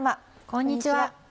こんにちは。